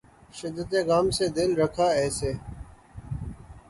شدتِ غم سے دل رکا ایسے